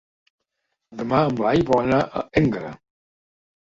Demà en Blai vol anar a Énguera.